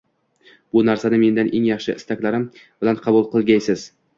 Bu narsani mendan eng yaxshi istaklarim bilan qabul qilgaysiz!